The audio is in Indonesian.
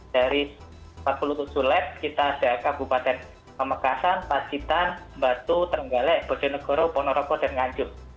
dari empat puluh tujuh lab kita ada kabupaten pemekasan pasitan batu terenggale bodonegoro ponoroko dan nganjur